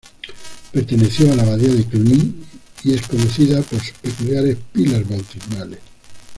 Perteneció a la abadía de Cluny y es conocida por sus peculiares pilas bautismales.